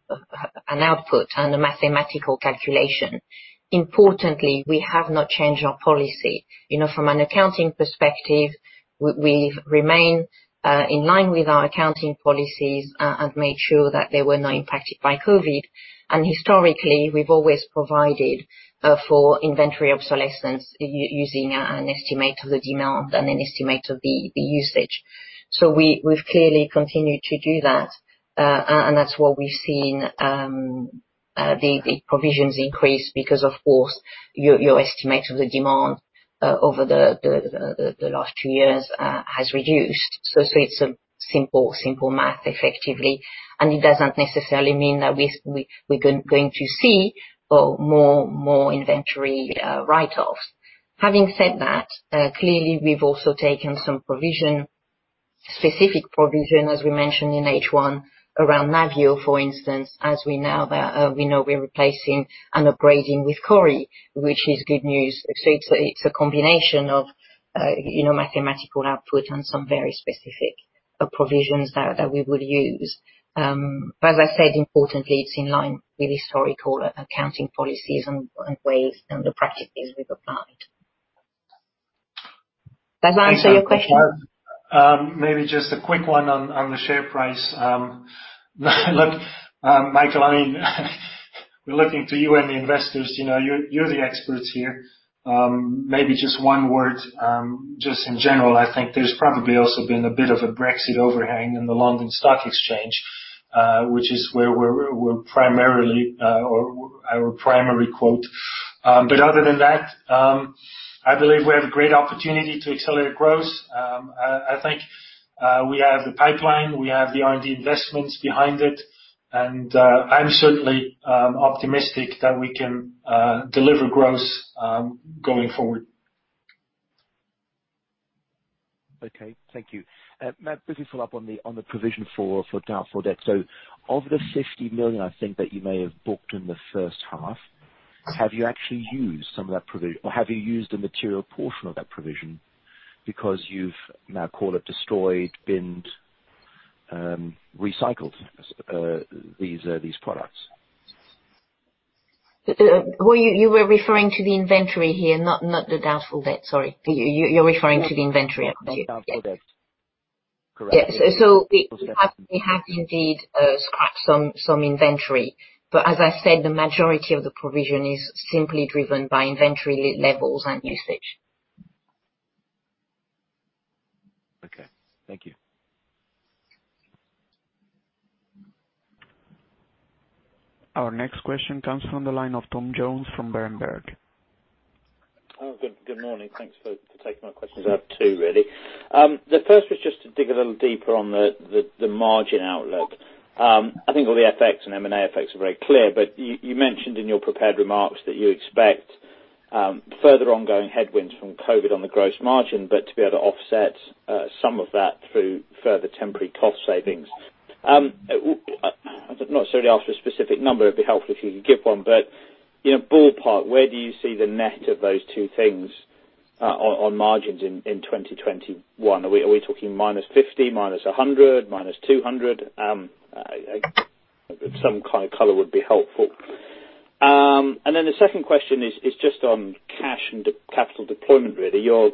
output and a mathematical calculation. Importantly, we have not changed our policy. From an accounting perspective, we've remained in line with our accounting policies and made sure that they were not impacted by COVID. And historically, we've always provided for inventory obsolescence using an estimate of the demand and an estimate of the usage. So we've clearly continued to do that. And that's what we've seen the provisions increase because, of course, your estimate of the demand over the last two years has reduced. So it's simple math, effectively. And it doesn't necessarily mean that we're going to see more inventory write-offs. Having said that, clearly, we've also taken some provision, specific provision, as we mentioned in H1, around NAVIO, for instance, as we know we're replacing and upgrading with CORI, which is good news. So it's a combination of mathematical output and some very specific provisions that we will use. But as I said, importantly, it's in line with historical accounting policies and ways and the practices we've applied. Does that answer your question? Maybe just a quick one on the share price. Look, Michael, I mean, we're looking to you and the investors. You're the experts here. Maybe just one word, just in general, I think there's probably also been a bit of a Brexit overhang in the London Stock Exchange, which is where we're primarily or our primary quote. But other than that, I believe we have a great opportunity to accelerate growth. I think we have the pipeline. We have the R&D investments behind it. And I'm certainly optimistic that we can deliver growth going forward. Okay. Thank you. A quick follow-up on the provision for doubtful debt. So, of the $50 million, I think, that you may have booked in the first half, have you actually used some of that provision? Or have you used a material portion of that provision because you've now, call it destroyed, binned, recycled these products? You were referring to the inventory here, not the doubtful debt. Sorry. You're referring to the inventory? Correct. Yeah, so we have indeed scrapped some inventory, but as I said, the majority of the provision is simply driven by inventory levels and usage. Okay. Thank you. Our next question comes from the line of Tom Jones from Berenberg. Good morning. Thanks for taking my question. There's two really. The first was just to dig a little deeper on the margin outlook. I think all the FX and M&A effects are very clear. But you mentioned in your prepared remarks that you expect further ongoing headwinds from COVID on the gross margin, but to be able to offset some of that through further temporary cost savings. I'm certainly not after a specific number. It'd be helpful if you could give one. But ballpark, where do you see the net of those two things on margins in 2021? Are we talking minus 50, minus 100, minus 200? Some kind of color would be helpful. And then the second question is just on cash and capital deployment, really. You're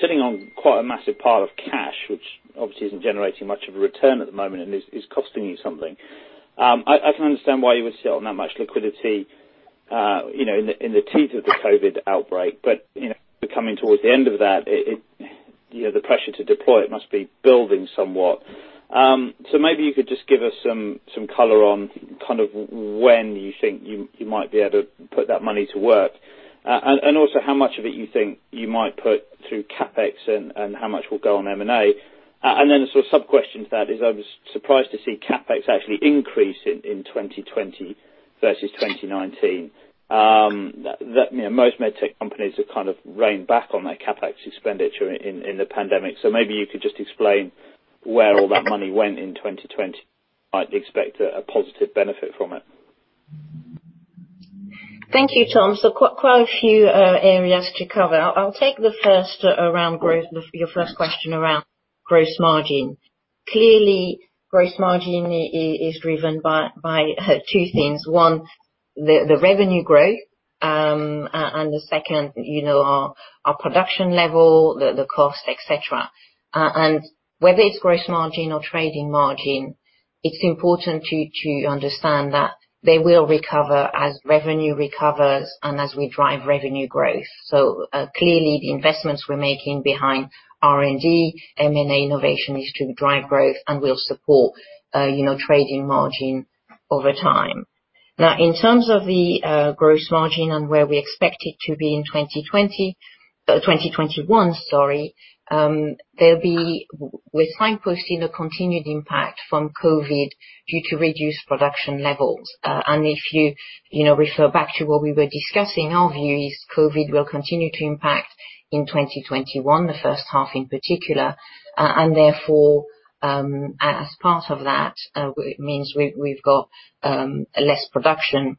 sitting on quite a massive pile of cash, which obviously isn't generating much of a return at the moment and is costing you something. I can understand why you would sit on that much liquidity in the teeth of the COVID outbreak. But coming towards the end of that, the pressure to deploy it must be building somewhat. So maybe you could just give us some color on kind of when you think you might be able to put that money to work. And also how much of it you think you might put through CapEx and how much will go on M&A. And then a sort of sub-question to that is I was surprised to see CapEx actually increase in 2020 versus 2019. Most med tech companies have kind of reined back on their CapEx expenditure in the pandemic. So maybe you could just explain where all that money went in 2020. Might expect a positive benefit from it. Thank you, Tom. So quite a few areas to cover. I'll take the first around your first question around gross margin. Clearly, gross margin is driven by two things. One, the revenue growth. And the second, our production level, the cost, etc. And whether it's gross margin or trading margin, it's important to understand that they will recover as revenue recovers and as we drive revenue growth. So clearly, the investments we're making behind R&D, M&A innovation is to drive growth and will support trading margin over time. Now, in terms of the gross margin and where we expect it to be in 2021. Sorry, there'll be. We're signposting a continued impact from COVID due to reduced production levels. And if you refer back to what we were discussing, our view is COVID will continue to impact in 2021, the first half in particular. Therefore, as part of that, it means we've got less production.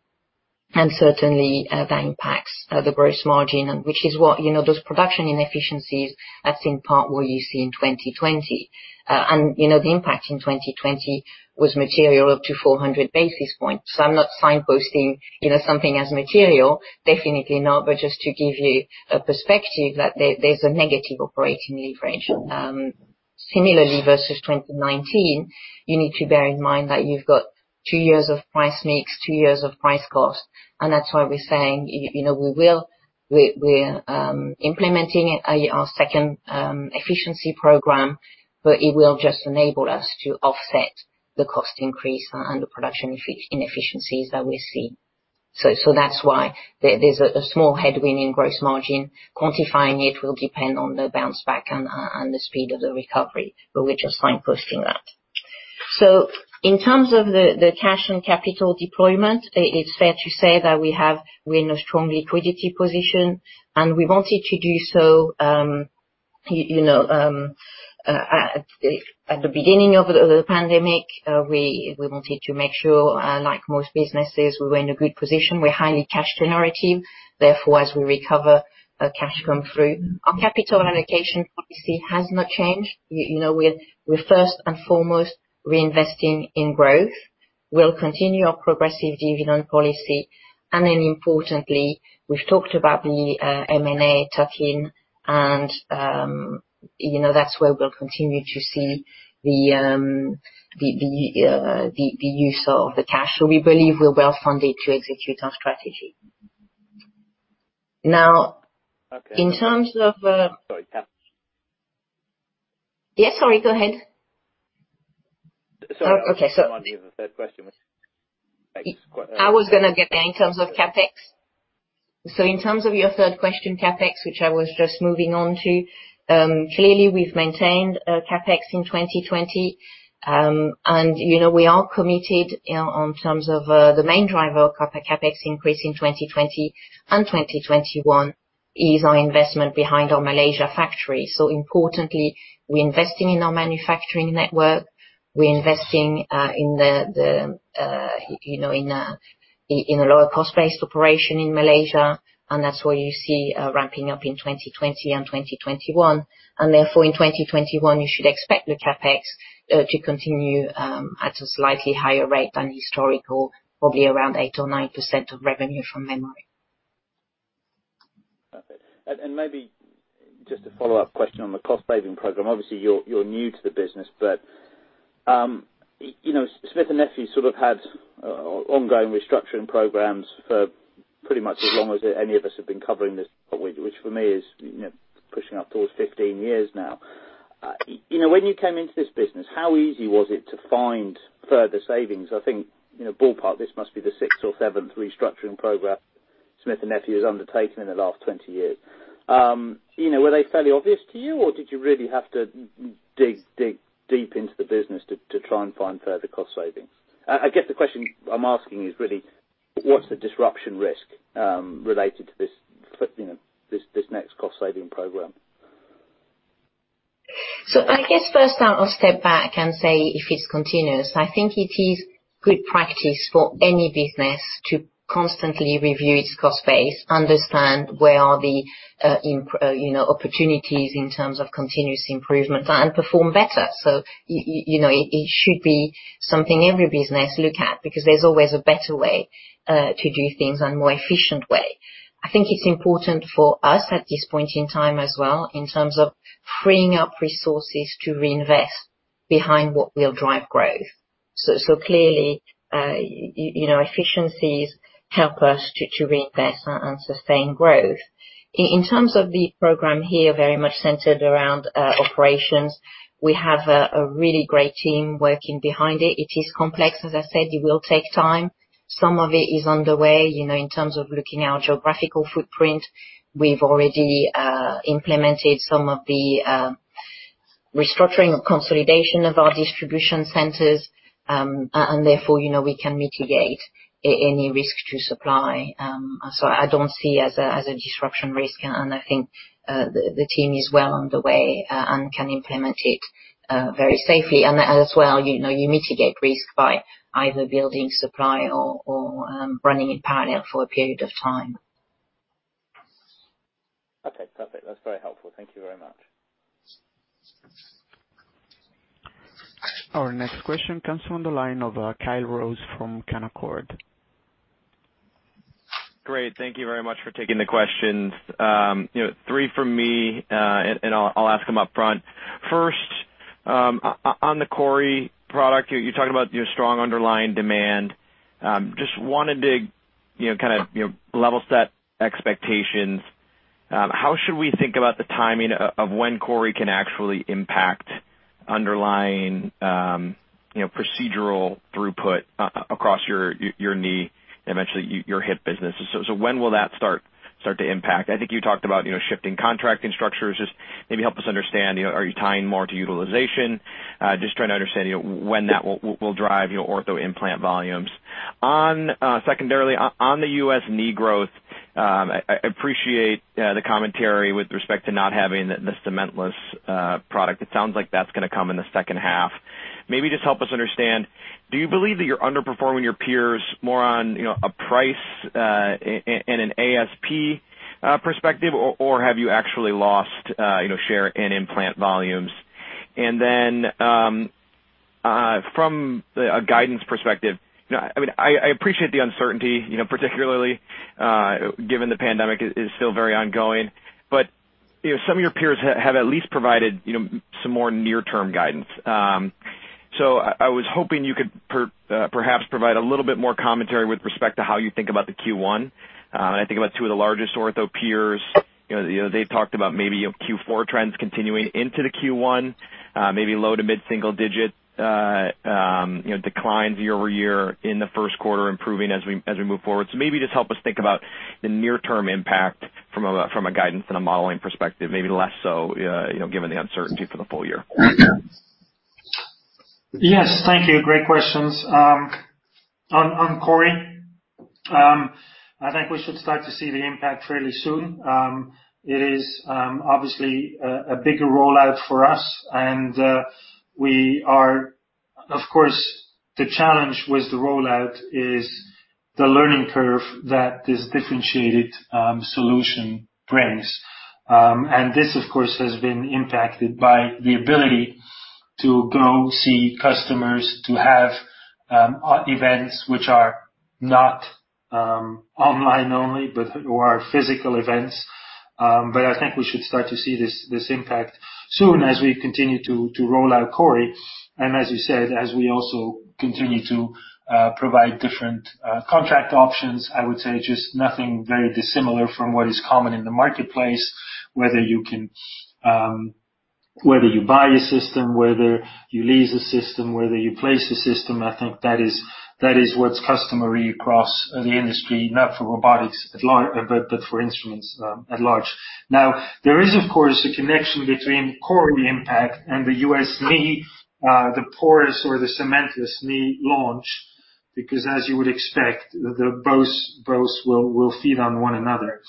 Certainly, that impacts the gross margin, which is what those production inefficiencies, that's in part what you see in 2020. The impact in 2020 was material up to 400 basis points. I'm not signposting something as material, definitely not. Just to give you a perspective, that there's a negative operating leverage. Similarly, versus 2019, you need to bear in mind that you've got two years of price mix, two years of price cost. That's why we're saying we will be implementing our second efficiency program, but it will just enable us to offset the cost increase and the production inefficiencies that we see. That's why there's a small headwind in gross margin. Quantifying it will depend on the bounce back and the speed of the recovery. We're just signposting that. So in terms of the cash and capital deployment, it's fair to say that we're in a strong liquidity position. And we wanted to do so at the beginning of the pandemic. We wanted to make sure, like most businesses, we were in a good position. We're highly cash generative. Therefore, as we recover, cash comes through. Our capital allocation policy has not changed. We're first and foremost reinvesting in growth. We'll continue our progressive dividend policy. And then importantly, we've talked about the M&A tuck-in. And that's where we'll continue to see the use of the cash. So we believe we're well funded to execute our strategy. Now, in terms of. Sorry. CapEx. Yes, sorry. Go ahead. Sorry. I didn't want to hear the third question. I was going to get there in terms of CapEx. So in terms of your third question, CapEx, which I was just moving onto, clearly, we've maintained CapEx in 2020. And we are committed in terms of the main driver of CapEx increase in 2020 and 2021 is our investment behind our Malaysia factory. So importantly, we're investing in our manufacturing network. We're investing in a lower-cost-based operation in Malaysia. And that's what you see ramping up in 2020 and 2021. And therefore, in 2021, you should expect the CapEx to continue at a slightly higher rate than historical, probably around 8% or 9% of revenue from memory. Maybe just a follow-up question on the cost-saving program. Obviously, you're new to the business. But Smith & Nephew sort of had ongoing restructuring programs for pretty much as long as any of us have been covering this stuff, which for me is pushing up towards 15 years now. When you came into this business, how easy was it to find further savings? I think ballpark, this must be the sixth or seventh restructuring program Smith & Nephew has undertaken in the last 20 years. Were they fairly obvious to you, or did you really have to dig deep into the business to try and find further cost savings? I guess the question I'm asking is really, what's the disruption risk related to this next cost-saving program? So I guess first, I'll step back and say if it's continuous. I think it is good practice for any business to constantly review its cost base, understand where are the opportunities in terms of continuous improvement, and perform better. So it should be something every business look at because there's always a better way to do things and a more efficient way. I think it's important for us at this point in time as well in terms of freeing up resources to reinvest behind what will drive growth. So clearly, efficiencies help us to reinvest and sustain growth. In terms of the program here, very much centered around operations, we have a really great team working behind it. It is complex, as I said. It will take time. Some of it is underway in terms of looking at our geographical footprint. We've already implemented some of the restructuring or consolidation of our distribution centers. And therefore, we can mitigate any risk to supply. So I don't see it as a disruption risk. And I think the team is well on the way and can implement it very safely. And as well, you mitigate risk by either building supply or running in parallel for a period of time. Okay. Perfect. That's very helpful. Thank you very much. Our next question comes from the line of Kyle Rose from Canaccord Genuity. Great. Thank you very much for taking the questions. Three for me, and I'll ask them upfront. First, on the CORI product, you're talking about strong underlying demand. Just wanted to kind of level set expectations. How should we think about the timing of when CORI can actually impact underlying procedural throughput across your knee and eventually your hip business? So when will that start to impact? I think you talked about shifting contracting structures. Just maybe help us understand, are you tying more to utilization? Just trying to understand when that will drive ortho implant volumes. Secondarily, on the US knee growth, I appreciate the commentary with respect to not having the cementless product. It sounds like that's going to come in the second half. Maybe just help us understand, do you believe that you're underperforming your peers more on a price and an ASP perspective, or have you actually lost share in implant volumes? And then from a guidance perspective, I mean, I appreciate the uncertainty, particularly given the pandemic is still very ongoing. But some of your peers have at least provided some more near-term guidance. So I was hoping you could perhaps provide a little bit more commentary with respect to how you think about the Q1. And I think about two of the largest ortho peers. They talked about maybe Q4 trends continuing into the Q1, maybe low to mid-single-digit declines year over year in the first quarter improving as we move forward. So maybe just help us think about the near-term impact from a guidance and a modeling perspective, maybe less so given the uncertainty for the full year. Yes. Thank you. Great questions. On CORI, I think we should start to see the impact fairly soon. It is obviously a bigger rollout for us. And we are, of course, the challenge with the rollout is the learning curve that this differentiated solution brings. And this, of course, has been impacted by the ability to go see customers, to have events which are not online only, but are physical events. But I think we should start to see this impact soon as we continue to roll out CORI. And as you said, as we also continue to provide different contract options, I would say just nothing very dissimilar from what is common in the marketplace, whether you buy a system, whether you lease a system, whether you place a system. I think that is what's customary across the industry, not for robotics, but for instruments at large. Now, there is, of course, a connection between CORI impact and the US knee, the porous or the cementless knee launch, because as you would expect, both will feed on one another.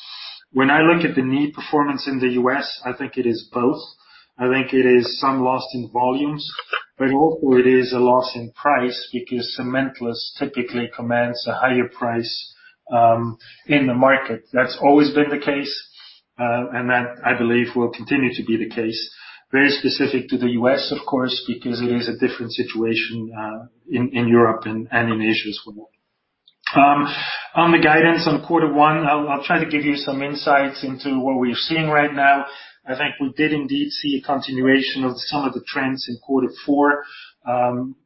When I look at the knee performance in the US, I think it is both. I think it is some loss in volumes, but also it is a loss in price because cementless typically commands a higher price in the market. That's always been the case. And that, I believe, will continue to be the case. Very specific to the US, of course, because it is a different situation in Europe and in Asia as well. On the guidance on quarter one, I'll try to give you some insights into what we're seeing right now. I think we did indeed see a continuation of some of the trends in quarter four,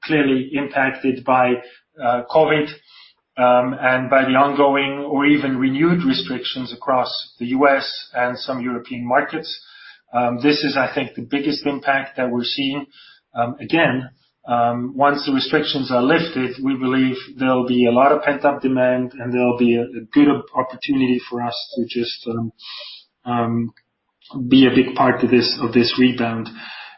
clearly impacted by COVID and by the ongoing or even renewed restrictions across the U.S. and some European markets. This is, I think, the biggest impact that we're seeing. Again, once the restrictions are lifted, we believe there'll be a lot of pent-up demand, and there'll be a good opportunity for us to just be a big part of this rebound.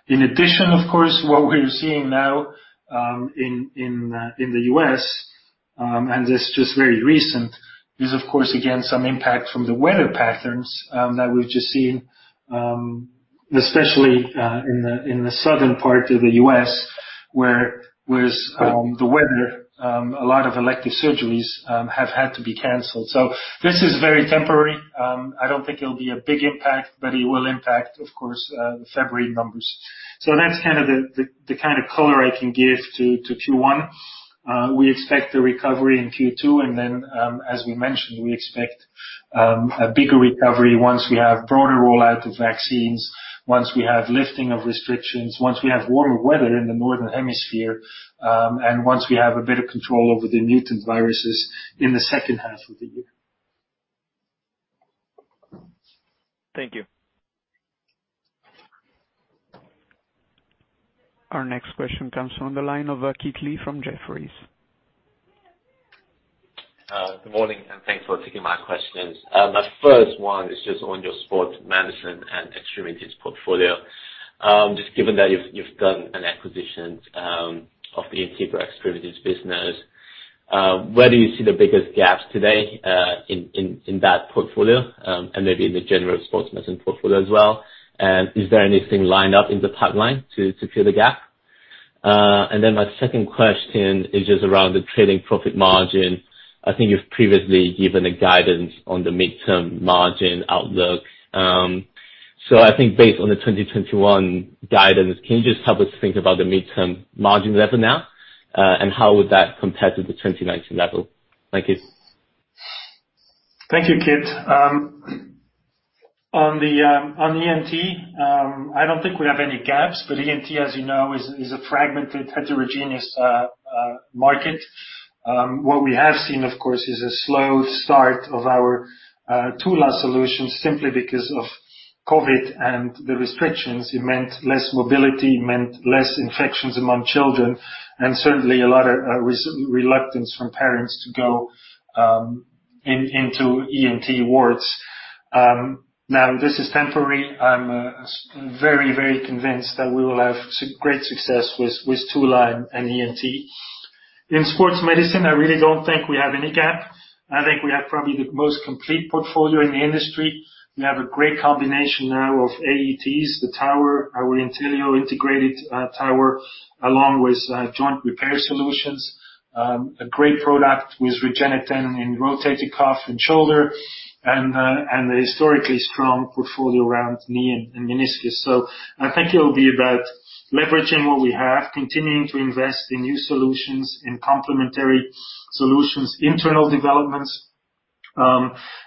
In addition, of course, what we're seeing now in the U.S., and this is just very recent, there's, of course, again, some impact from the weather patterns that we've just seen, especially in the southern part of the U.S., where the weather, a lot of elective surgeries have had to be canceled. So this is very temporary. I don't think it'll be a big impact, but it will impact, of course, the February numbers. So that's kind of the kind of color I can give to Q1. We expect the recovery in Q2. And then, as we mentioned, we expect a bigger recovery once we have broader rollout of vaccines, once we have lifting of restrictions, once we have warmer weather in the Northern Hemisphere, and once we have a better control over the mutant viruses in the second half of the year. Thank you. Our next question comes from the line of Kit Lee from Jefferies. Good morning, and thanks for taking my questions. My first one is just on your Sports Medicine and extremities portfolio. Just given that you've done an acquisition of the Integra LifeSciences extremities business, where do you see the biggest gaps today in that portfolio and maybe in the general Sports Medicine portfolio as well? And is there anything lined up in the pipeline to fill the gap? And then my second question is just around the trading profit margin. I think you've previously given a guidance on the midterm margin outlook. So I think based on the 2021 guidance, can you just help us think about the midterm margin level now? And how would that compare to the 2019 level? Thank you. Thank you, Kit. On the ENT, I don't think we have any gaps. But ENT, as you know, is a fragmented, heterogeneous market. What we have seen, of course, is a slow start of our Tula solution simply because of COVID and the restrictions. It meant less mobility. It meant less infections among children. And certainly, a lot of reluctance from parents to go into ENT wards. Now, this is temporary. I'm very, very convinced that we will have great success with Tula and ENT. In Sports Medicine, I really don't think we have any gap. I think we have probably the most complete portfolio in the industry. We have a great combination now of AETs, the tower, our INTELLIO integrated tower, along with Joint Repair solutions, a great product with REGENETEN in rotator cuff and shoulder, and the historically strong portfolio around knee and meniscus. So I think it'll be about leveraging what we have, continuing to invest in new solutions, in complementary solutions, internal developments,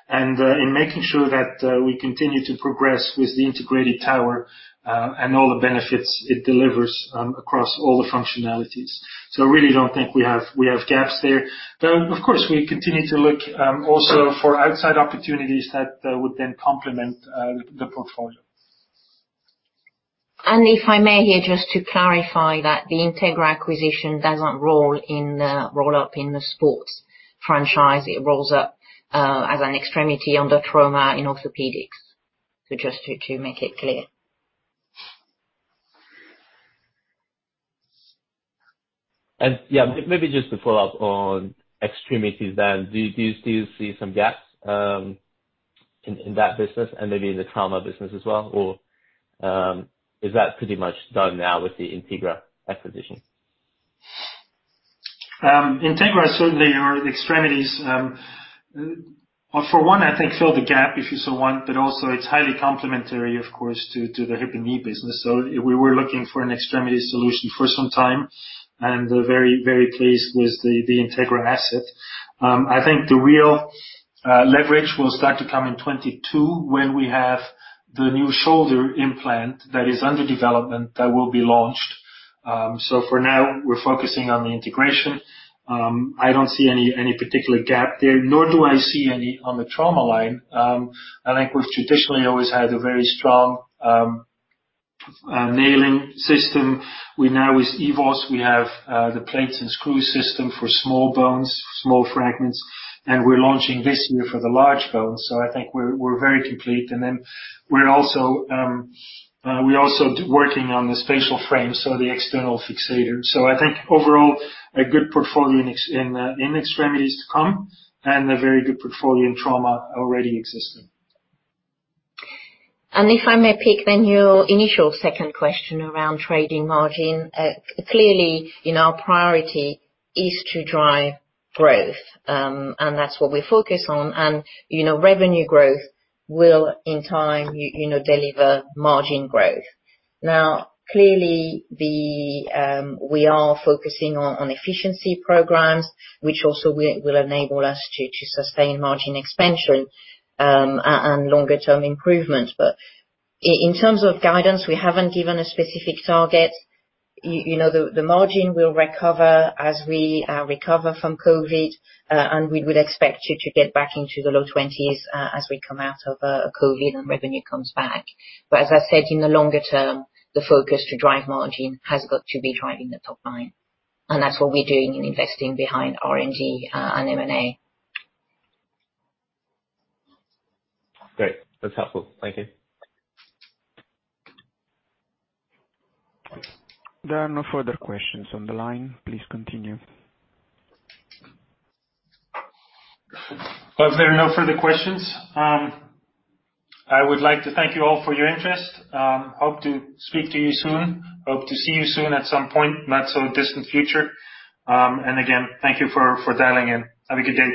and in making sure that we continue to progress with the integrated tower and all the benefits it delivers across all the functionalities. So I really don't think we have gaps there. But of course, we continue to look also for outside opportunities that would then complement the portfolio. If I may here, just to clarify that the Integra acquisition doesn't roll up in the sports franchise. It rolls up as an extremity under trauma in orthopedics. Just to make it clear. Yeah, maybe just to follow up on extremities then, do you still see some gaps in that business and maybe in the trauma business as well? Or is that pretty much done now with the Integra acquisition? Integra, certainly, or extremities, for one, I think fill the gap, if you so want. But also, it's highly complementary, of course, to the hip and knee business. So we were looking for an extremity solution for some time, and we're very, very pleased with the Integra asset. I think the real leverage will start to come in 2022 when we have the new shoulder implant that is under development that will be launched. So for now, we're focusing on the integration. I don't see any particular gap there, nor do I see any on the trauma line. I think we've traditionally always had a very strong nailing system. We now, with EVOS, we have the plates and screws system for small bones, small fragments. And we're launching this year for the large bones. So I think we're very complete. And then we're also working on the Spatial Frame, so the external fixator. So I think overall, a good portfolio in extremities to come and a very good portfolio in trauma already existing. If I may pick then your initial second question around trading margin, clearly our priority is to drive growth, and that's what we focus on. Revenue growth will, in time, deliver margin growth. Now, clearly, we are focusing on efficiency programs, which also will enable us to sustain margin expansion and longer-term improvement. In terms of guidance, we haven't given a specific target. The margin will recover as we recover from COVID, and we would expect to get back into the low 20s as we come out of COVID and revenue comes back. As I said, in the longer term, the focus to drive margin has got to be driving the top line. That's what we're doing in investing behind R&D and M&A. Great. That's helpful. Thank you. There are no further questions on the line. Please continue. There are no further questions. I would like to thank you all for your interest. Hope to speak to you soon. Hope to see you soon at some point, not so distant future. And again, thank you for dialing in. Have a good day.